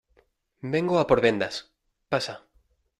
vengo a por vendas. pasa .